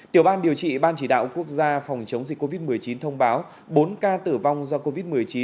tiểu ban điều trị ban chỉ đạo quốc gia phòng chống dịch covid một mươi chín thông báo bốn ca tử vong do covid một mươi chín